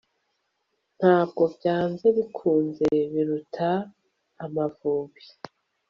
ntabwo byanze bikunze biruta Amavubi –